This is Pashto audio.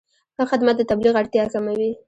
ښه خدمت د تبلیغ اړتیا کموي.